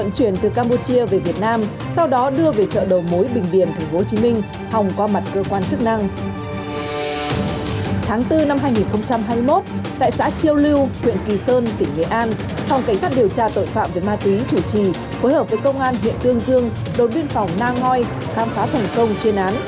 chỉ phối hợp với công an huyện tương dương đồn biên phòng na ngoi khám phá thành công chuyên án